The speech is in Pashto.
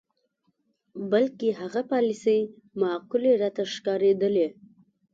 بلکې هغه پالیسۍ معقولې راته ښکارېدلې.